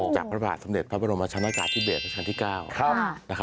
จากพระบาทสำเด็จมันมาชั้นภาคกาทีเบส